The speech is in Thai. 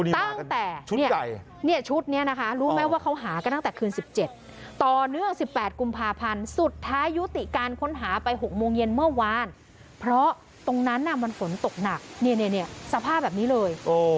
ตั้งแต่เนี่ยเนี่ยชุดเนี่ยนะคะรู้ไหมว่าเขาหากันตั้งแต่คืนสิบเจ็ดต่อเนื่องสิบแปดกุมภาพันธ์สุดท้ายุติการค้นหาไปหกโมงเย็นเมื่อวานเพราะตรงนั้นน่ะมันฝนตกหนักเนี่ยเนี่ยเนี่ยสภาพแบบนี้เลย